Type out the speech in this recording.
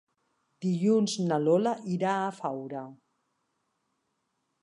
Dilluns na Lola irà a Faura.